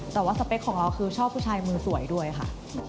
แต่ว่าสเปคของเราคือชอบผู้ชายมือสวยด้วยค่ะ